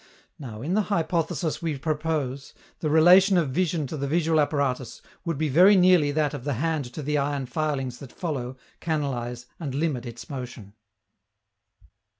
Now, in the hypothesis we propose, the relation of vision to the visual apparatus would be very nearly that of the hand to the iron filings that follow, canalize and limit its motion.